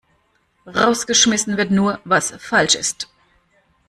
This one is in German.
Rausgeschmissen wird nur, was falsch ist.